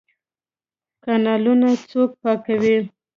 کانالونه څوک پاکوي؟